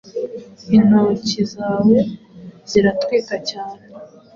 Intoki zawe ziratwika cyane